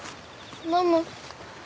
ママ。